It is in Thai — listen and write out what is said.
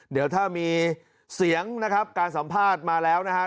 เดี๋ยวถ้ามีเสียงนะครับการสัมภาษณ์มาแล้วนะฮะ